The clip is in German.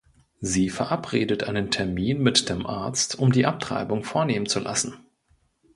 Sie verabredet einen Termin mit dem Arzt, um die Abtreibung vornehmen zu lassen.